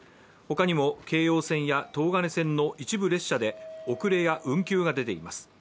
他にも京葉線や東金線の一部列車で遅れや運休が出ています。